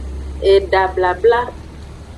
Eda blabla.